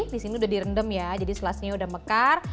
di sini udah direndam ya jadi selasnya udah mekar